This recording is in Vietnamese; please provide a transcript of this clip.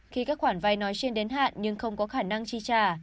khi các khoản vay nói trên đến hạn nhưng không có khả năng chi trả